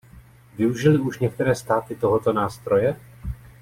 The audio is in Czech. Využily už některé státy tohoto nástroje?